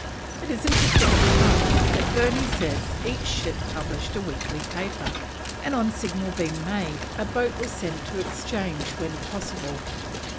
It is interesting to note that Burney says each ship published a weekly paper, and on signal being made a boat was sent to exchange when possible.